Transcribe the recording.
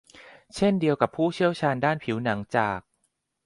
เช่นเดียวกับผู้เชี่ยวชาญด้านผิวหนังจาก